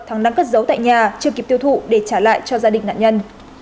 thắng đang cất giấu tại nhà chưa kịp tiêu thụ để trả lại cho gia đình nạn nhân